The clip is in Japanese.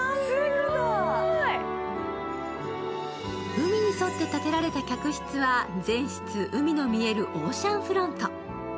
海に沿って建てられた客室は、全室海の見えるオーシャンフロント。